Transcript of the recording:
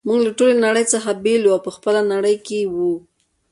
موږ له ټولې نړۍ څخه بیل وو او په خپله نړۍ کي وو.